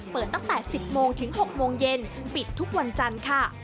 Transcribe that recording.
เปิดตั้งแต่๑๐โมงถึง๖โมงเย็นปิดทุกวันจันทร์ค่ะ